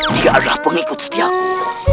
dia adalah pengikut setiaku